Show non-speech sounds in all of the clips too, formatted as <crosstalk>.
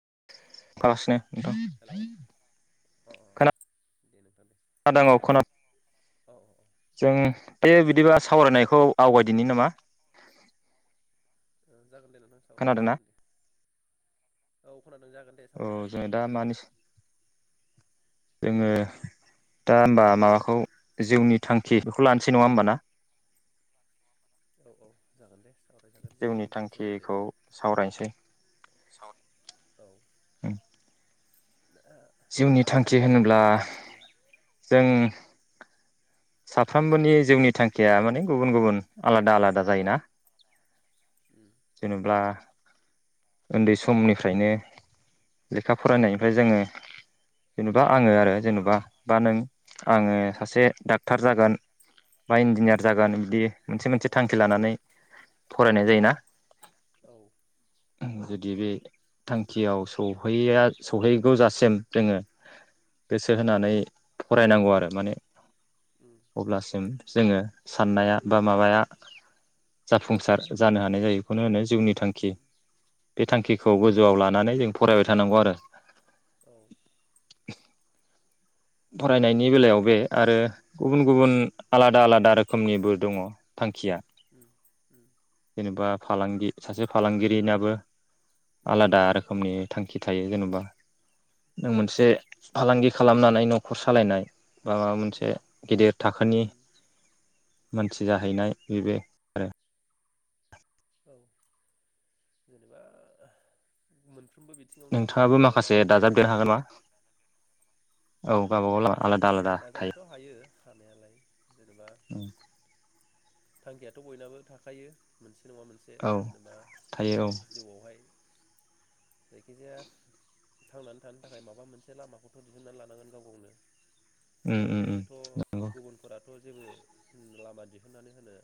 <unintelligible> <unintelligible> खोना हेलौ अ दे नोंथां दे दों औ खोना औ जों दे बिदिब्ला सावरायनायखौ आवगायदिनि नामा? औ। जागोन दे नोंथां सावराय खोनादोंना जाासिगोन दे। खोनदों जागोन दे औ सावराय जोङो जाासिगोन दे दा नोंथां। मानि जोङो दा होनबा माबाखौ जिउनि थांखि बेखौ लानोसै नङा होमबा ना? औ औ जागोन दे। सावरायजागोन जिउनि थांखिनि सोमोन्दै थांखिखौ सावरायसै औ जिउनि नोंथाङा थांखि बुंग्रोदो होनोब्ला उम जों साफ्रोमबोनि जिउनि थांखिया माने गुबुन गुबुन आलादा आलादा जायोना जेनेब्ला उन्दै समनिफ्रायनो लेखा फरायनायनिफ्राय जोङो जेनेबा आङो आरो जेनेबा बा नों औ आङो सासे डाक जागोन बा इन्जिनियार जागोन बिदि मोनसे औ मोनसे थांखि लानानै फरायनाय जायोना। औ दि बे थांखियाव सहैया सौहैगौ जासिम जोङो गोसो होनानै फरायनांगौ आरो माने उम अब्लासिम जोङो साननाया बा माबाया जाफुंसार जानो हानाय जायो बेखौनो होनो जिउनि थांखि उम बे उम थांखिखौ गोजौआव लानानै जों फरायबाय थानांगौ आरो औ फरायनायनि दाथ' औ बेलायाव बे आरो गुबुन गुबुन आलादा आलादा रोखोमनिबो दङ थांखिया उम उम जेनेबा फालांगि सासे फालांगिरिनाबो उम आलादा रोखोमनि थांखि थायो जेन'बा नों औ मोनसे फालांगि खालामनानै न' खर सालायनाय बा माबा मोनसे उम गेदेर थाखोनि उम मानसि जाहैनाय बेबो आरो औ जेनेबा मोन नोंथाङाबो माखासे दाजाबदेर हागोन नामा? औ गावबागाव लामा औ आलादा आलादा थायो दाजाबनोथ' हायो हानायालाय जेनेबा थांखियाथ' बयनाबो थाखायो मोनसे नङा मोनसे औ जेनेबा थायो औ जिउआवहाय जायखिजाया थांनानै थानो थाखाय माबा मोनसे लामाखौथ' दिहुनना लानांगोन गाव गावनो। उम आरो उम उम बेवहायथ' गुबुनफोरा थ' जेबो लामा दिहुननानै होनो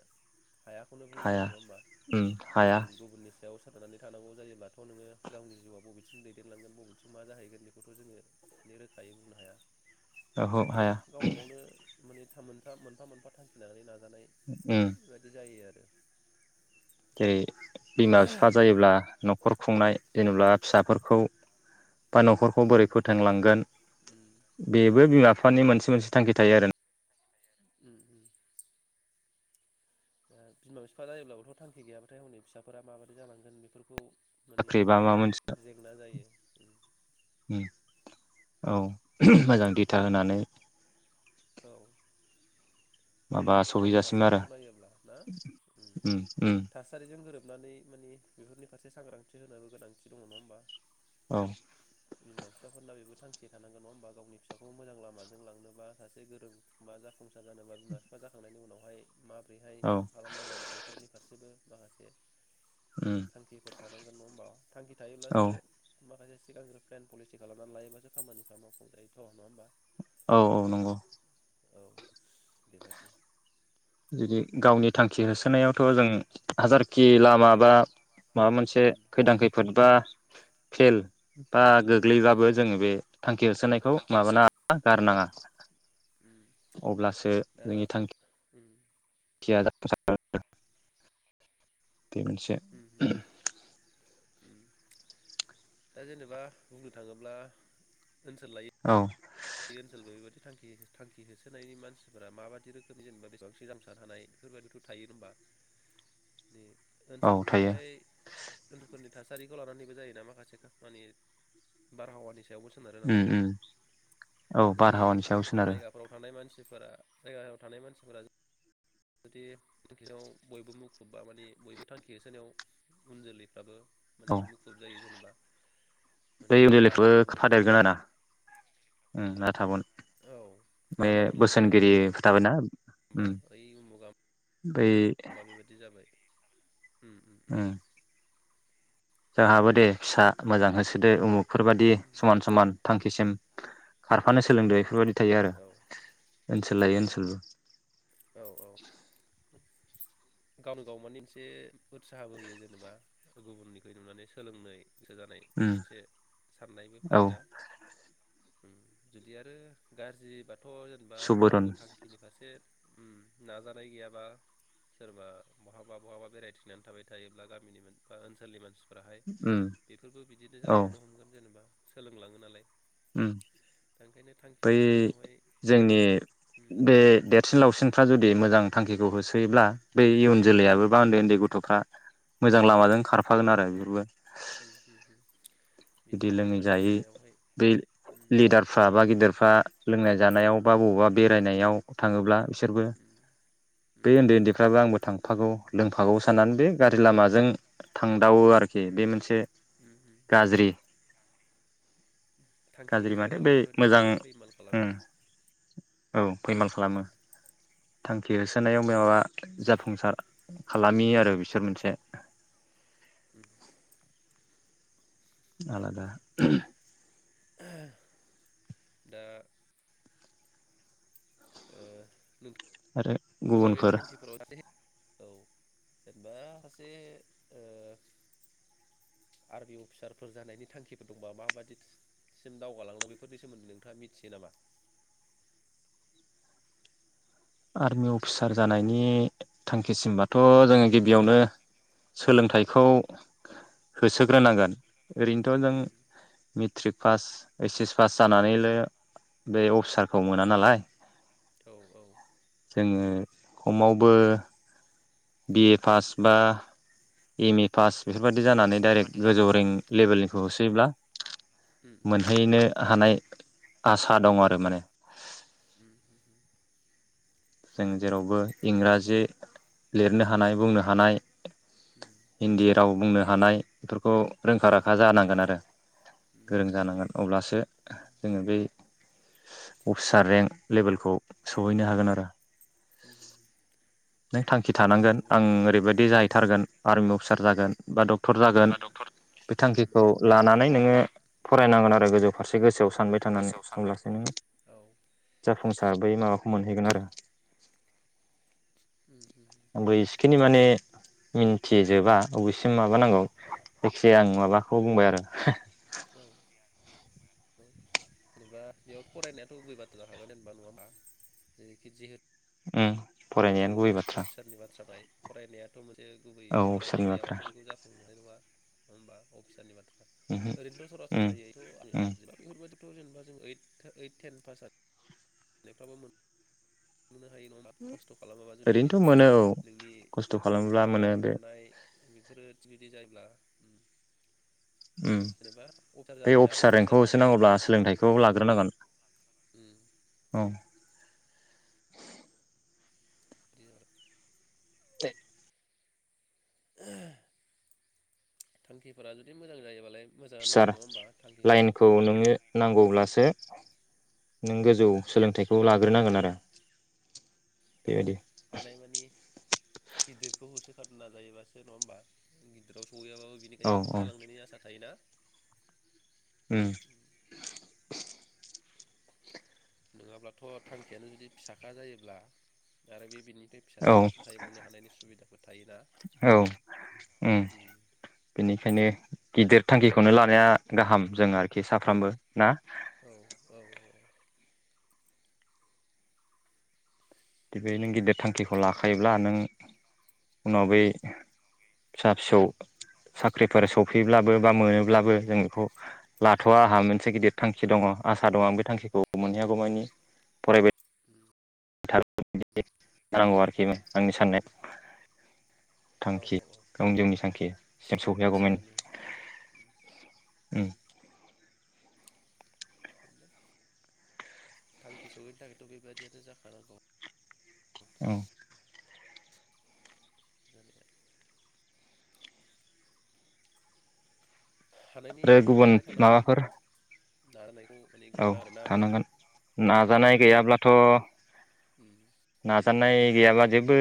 हायाखौनो बुंनो हाया हायो नङा होमबा उम हाया गुबुननि सायाव सोरनानै थानांगौ जायोब्लाथ' नोङो गावनि जिउआव बबेथिं दैदेनलांगोन बबेथिं मा जाहैगोन बेखौथ' जोङो माने रोखायै बुंनो हाया। ओहो बेखायनो हाया गावबा गावनो माने थाम मोनथा मोनफा मोनफा थांखि लानानै नाजानाय उम बादि जायो आर जेरै बिमा बिफा जायोब्ला न'ख खर खुंनाय जेनब्ला फिसाफोरखौ बा न'खरखौ उम बोरै फोथांलांगोन उम उम बेबो बिमा बिफानि मोनसे मोनस थांखि थायो आरो उम उम ओ‌ बिमा बिफा जायोब्लाबोथ' थांखि गैयाबाथाय हनै फिसाफोरा माबायदि जानांगोन बेफोरखौ माने साख्रि बा माबा मोनसे जेंना जायो। औ मोजां दिथा होनानै औ माबा आथिखाल सहैजासिम आरो थासारिखौ नायोब्ला ना उम थासारिजों गोरोब सुनानै मानि बेफोरनि फारसे सांग्रांथि होनारोबा गोनांथि दङ नङा होमबा। औ बिमा फिफाफोरना बेबो थांखि थानांगोन नङा होमबा गावनि फिसाखौ मोजां लामाजों लांनोबा। सासे गोरों मा जाफुंसार जानोबा बिमा फिफा जाखांनायनि उनावहाय माबोरैहाय औ खालामनांगोन बेफोरनि फारसेबो माखासे उम थांखिफोर थानांगोन नङा होमबा? थांखि औ थायोब्लासो माखासे सिगांग्रो प्लेन पलिसि खालामनानै लायोबासो खामानिफ्रा मावफुं जायोथ' नङा होमबा? औ औ नंगौ। औ बेबायदि जुदि गावनि थांखि होसोनायावथ‌' जों हाजारखि लामा बा माबा मोनसे उम खैदां खैफोद बा खेल बा गोग्लैबाबो जोङो बे थांखि होसोनायखौ थांखि होसो माबाना गारनाङा। उम अब्लासो दा जोंनि थांख उम खिया जाफुंसार <unintelligible> दे मोनसे उम उम उम दा जेनेबा बुंनो थाङोब्ला ओनसोल औ बे ओनसोल बेफोरबायदि थांखि थांखि होसोनायनि मानसिफोरा माबायदि रोखोमनि जेनेबा बेसेबां <unintelligible> हानाय बेफोरबादिथ' थायो नङा होमबा नि औ ओनसोलफोराव थायो हाय <unintelligible> फोरनि थासारिखौ लानानैबो जायोना माखासे खामानि बारहावानि स सायावबो सोनारो उम नालाय। उम औ जुदि बारहावानि सायाव सोनारो जायगाफोराव थानाय मानसिफोरा जायगायाव थानाय मानसिफोरा जुदि थांखियाव बयबो मुखुब बा माने बयबो थांखि होसोनायाव उन जोलैफ्राबो माने मुखुब जायो जेनेबा माने <unintelligible> नाजाथाबो खोफादेरगोन आरो उम दा थाबनो औ लामा मोनलांनाय बायदि जायो नङा थाबायना उम हबा ओइ उमुगा बै हबा बेबायाददि जाबाय उम उम उम <inaudible> जोंहाबो दे फिसा मोजां होसोदो उमुख फोरबायाददि उम समान समान थांखिसिम खारफानो सोलोंदों बेफोरबायदि थायो आरो औ सोलायो ओनसोलबो औ औ गावनो गाव मानिे मोनसे उत्साहाबोयो जेनेबा गुबुननिख नुनानै सोलोंनाय गोसो जानाय उम मोनसे साननायबो औ फैयोना जुदि आरो गाज्रि बाथ्रा थ' जेनेबा सुबुरन रावबो थांखिनि फारसे नाजानाय गैयाबा सोरबा बहाबा बहाबा बेरायथिनानै थाबाय थायोब्ला गामिनि बा ओनसोलनि मानसिफोर फोराहाय उम बेफोरबो बिदिनो औ जालांनो हमगोन जेनेबा सोलोंलाङो नालाय उम दखायनो बै जोंनि उम बे देरसिन सिन लावसिनफ्रा जुदि मोजां थांखिखौ होसोयोब्ला बै इयुन उम जोलैयाबबो बा उन्दै उन्दै गथ'फ्रा मोजां उम लामाजों खारफागोन आरो बेफोरबो उम उम उम बिदि बिदिनो लोङै थांखिनि जायै सायावहाय ब उम लिदारफ्रा बा गिदिरफ्रा लोंनाय जानायाव बा बबावबा बा बेरायनायाव थाङोब्ला बिसोरबो उम बे उम उन्दै उन्दैफ्राबो आंबो थां हाबफागौ लोंफागौ साननानै बे गारि लामाजों थांदावो आरोखि बे मोनसे उम उम गाज्रि थांखि गाज्रि माथो होसोनायाव बै बेफोरबायदिया मोजां माने फैमाल खालामो औ फैमाल उम खालामो थांखि होसोनायाव माबा उम जाफुंसार खालामि आरो बिसोर मोनसे <inaudible> आलादा <inaudible> दा <inaudible> आरो नोंथाङा बे गुबुनफोर थांखिफोराव औ जेनेबा सासे आर्मि अफिसारफोर जानायनि थांखिफोर दंबा माबायदिसिम दावगालांनो बेफोरनि सोमोन्दै नोंथाङा मिथियो नामा आर्मि अफिसार जानायनि थांखिसिमबाथ' जोङो गिबियावनो सोलोंथाइखौ होसोग्रोनांगोन ओरैनोथ' जों उम मेट्रिक पास ओइस एस पास जानानैल' बे अफिसारखौ मोना नालाय औ औ जोङो खमावबो बिए पास बा एम ए पास बेफोरबाद बिदि जानानै डाइरेक्ट बेफोरबायदि जानो गोजौ रें लेभेलनिखौ होसोयोब्ला मोनहैनो हानाय आसा दं आरो माने <inaudible> जों जेरावबो इंराजि लिरनो हानाय बुंनो हानाय <inaudible> हिन्दी राव बुंनो हानाय खौ रोंखा राखा जानांगोन आरो गोरों जानांगोन अब्लासो जोङो बै अफिसार रेंक लेभेलखौ सहैनो हागोन आरो <inaudible> नों थांखि बुंनो थानांगोन थाङोब्ला आं ओरैबायदि उम जाहैथारगोन आर्मि अफिसार जागोन बा डक्टर जागोन बा डक्टर बे थांखिखौ लानानै नोङो फरायनांगोन आरो गोजौ फारसे सानबाय थानानै गोसोआव सानबाय अब्लासो नों औ जाफुंसार बै माबाखौ मोनहैगोन आरो उम उम <inaudible> आंबो एसेखिनि माने मिन्थिजोबा अबेसिम माबानांगौ जायखिया आं माबाखौ बुंबाय आरो औ औ जेनेबा बेयावथ' फरायनायाथ' गुब बाथ्रा जाखागोन जेनेबा नङा होनबा जेरैखि जे उम फरायनायानो गुबै जियेथु बाथ्रा अफिसारनि बाथ्रा फरायनायाथ' मोनसे गुबै औ फरायनाय सोरनि बाथ्रा गैयाबाथ' बेखौ जाफुंनो हानाय नङा होनबा अफिसारनि बाथ्रा उमहो ओरैनोथ' उम सरासनस्रायैथ' आं उम बेफोरबो बिदिखौ <inaudible> ओरैनोथ' मोनो औ <inaudible> खस्थ' खालामोब्ला मोनो बे <inaudible> उम जेनेबा अफिसार बे जानो हायाबो अफिसार अफिसारनि रेंकखौ थांखि होसोनांगौब्ला लायोब्ला सोलोंथाइखौ लाग्रोनांगोन उम औ। <inaudible> <inaudible> थांखिफोरा जुदि मोजां जायोबालाय मोजाङानो अफिसार जायो नङा होमबा थांखिफोरखौ लाइनखौ नोङो नांगौब्लासो नों गोजौ सोलोंथाइखौ लाग्रोनांगोन आरो। बेबायदि हानायमानि गिदिरखौ होसो थारनो नाजायोबासो नङा होमबा गिदिराव सौयैयाब्लाबो बिनि औ गायाव औ थाबथालांनायनि आसा थायोना? उम। नङाब्लाथ' थांखियानो जुदि फिसाखा जायोब्ला आरो बे बिनि बे औ फिसासिनावसो थाहैबावनो हानायनि सुबिदाफोर थायोना। औ उम ओम। बेनिखायनो गिदिर थांखिखौनो लानाया गाहाम जों आरोखि साफ्रामबो ना? औ औ औ। बि नों गिदिर थांखिखौ लाखायोब्ला नों उनाव बै फिसा फिसौ साख्रिफोर सफैब्लाबो बा मोनोब्लाबो जों बेखौ लाथ'वा आंहा मोनसे गिदिर थांखि दङ आसा दं आं बे थांखिखौ मोनहैयागौमानि फरायबाय थागोन बिदि जानांगौ आरोखि आंनि साननाय औ थांखि औ औ गावनि जिउनि थांखि सिम सौहैयागौमानि थिगानो उम। <unintelligible> थांखि सहैनो थाखायथ' बेबादियाथ' जाखानांगौ। औ। जानाया हानायनि आरो गुबुन नुजानाया थानां नङा माबाफोर <unintelligible> औ गोनां आरोना थानांगोन नाजानाय गैयाब्ला थ' उम जेनेबा नाजानाय गैयाबा जेबो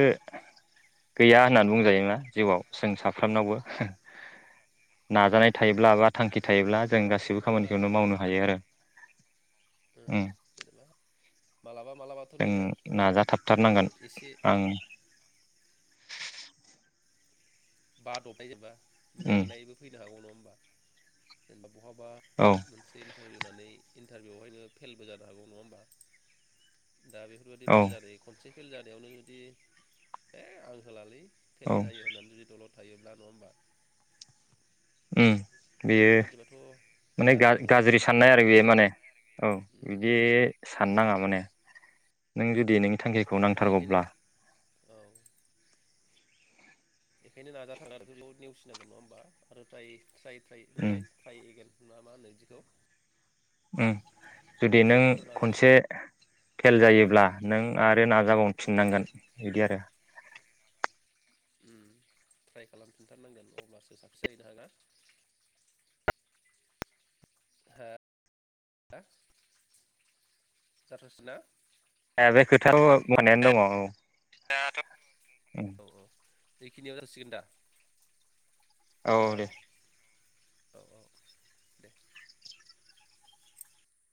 गैया होननानै बुंजायो ना जिउआव जों साफ्रोमनावबो। उम नाजानाय थायोब्ला बा थांखि ओ थायोब्ला जों गासिबो खामानिखौनो मावनो हायो आरो। <unintelligible> ओम उम जेनोबा मालाबा मालाबाथ' जों नोङो मानि नाजाथाबथारनांगोन एसे <unintelligible> आं बा द'नाय जोनबा उम मेंनायबो फैनो हागौ नङा होम बा जेनबा बहाबा औ मोनसे इन्टारभिउ होननानै इन्टारभिउआवहायनो फेलबो जानो हागौ नङा होमबा दा बेफोरबायदि औ फेल जादो खनसे फिल जानायावनो जुदि ए आं होलालै फेलथ औ जायो होननानै जुदि दलद थायोब्ला नङा होमबा उम बे बेयो बेफोरबादिबाथ' माने जानाय नंला नङा गाज्रि होमबा साननाय आरो बे माने औ उम उम बिदि उम साननाङा माने नों जुदि नों थांखिखौ दा बेखायनो नांथारगौब्ला औ बेखायनो नाजाथार आरो बे नेवसिनांगोन नङा होमबा आरो ट्राय ट्राय उम होनोमलाय ट्राय एगैन नंङा मा होनो इदिखौ उम जुदि नों आरो खनसे नाजाफिनबावनांगोन फेल आरो जायोब्ला नों आरो नाजाबावनो फिननांगोन उम बिदि आरो ट्राइ खालामफिनथारनांगोन अब्लासो साकसेस जाहैनो हागोन <unintelligible> <unintelligible> दाथ' औ बेखिनियाव जासिगोन दा औ ना दे औ औ दे